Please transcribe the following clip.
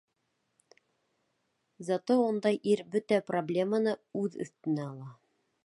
Зато ундай ир бөтә проблеманы үҙ өҫтөнә ала.